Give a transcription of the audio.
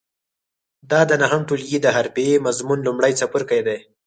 دا د نهم ټولګي د حرفې مضمون لومړی څپرکی دی.